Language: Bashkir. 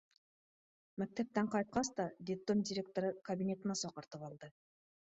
Мәктәптән ҡайтҡас та детдом директоры кабинетына саҡыртып алды.